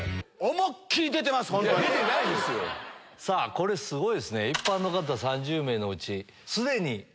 これすごいっすね。